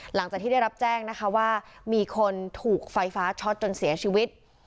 หลังจากที่ได้รับแจ้งนะคะว่ามีคนถูกไฟฟ้าช็อตจนเสียชีวิต